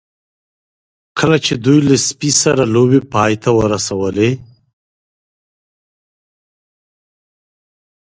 کله چې دوی له سپي سره لوبې پای ته ورسولې